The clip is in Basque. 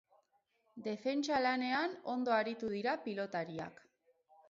Defentsa lanean ondo aritu dira pilotariak.